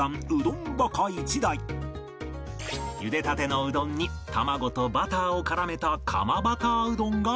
茹でたてのうでんに卵とバターを絡めた釜バターうどんが名物